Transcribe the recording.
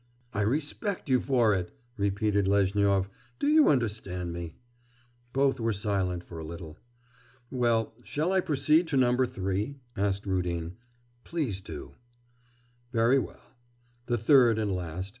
'I respect you for it!' repeated Lezhnyov. 'Do you understand me?' Both were silent for a little. 'Well, shall I proceed to number three?' asked Rudin. 'Please do.' 'Very well. The third and last.